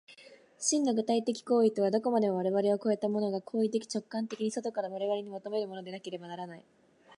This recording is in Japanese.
真の具体的当為とは、どこまでも我々を越えたものが行為的直観的に外から我々に求めるものでなければならない。